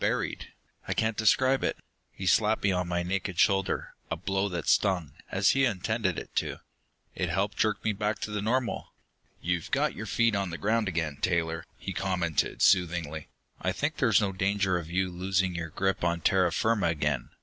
buried.... I can't describe it...." He slapped me on my naked shoulder, a blow that stung, as he had intended it to. It helped jerk me back to the normal. "You've got your feet on the ground again, Taylor," he commented soothingly. "I think there's no danger of you losing your grip on terra firma again.